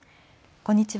こんにちは。